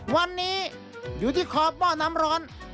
วันนี้อยู่ที่ขอบหม้อน้ำร้อน